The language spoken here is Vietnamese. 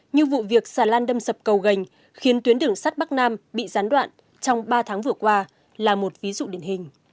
như vụ việc xà lan đâm sập cầu gành khiến tuyến đường sắt bắc nam bị gián đoạn trong ba tháng vừa qua là một ví dụ điển hình